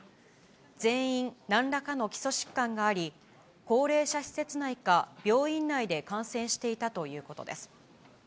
全員なんらかの基礎疾患があり、高齢者施設内か、病院内で感染していたということです。